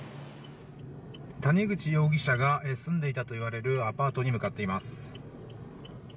谷口容疑者が住んでいたといわれるアパートに向かっています。